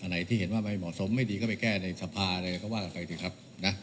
ใบที่เห็นว่ามันไม่เหมาะสมไม่ดีก็ไปแก้ในทรัพย์อะไรก็ว่าไปดีครับ